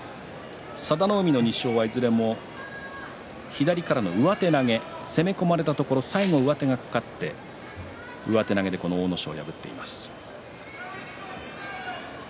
佐田の海の２勝は、いずれも左からの上手投げ攻め込まれたところに最後上手が掛かって上手投げで勝っています。